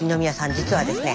実はですね